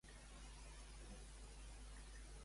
Opina el mateix Xenofont?